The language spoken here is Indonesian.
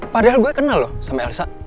padahal gue kenal loh sama elsa